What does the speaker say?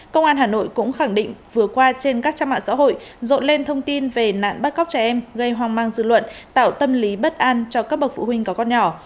công an hà nội cũng khẳng định vừa qua trên các trang mạng xã hội rộn lên thông tin về nạn bắt cóc trẻ em gây hoang mang dư luận tạo tâm lý bất an cho các bậc phụ huynh có con nhỏ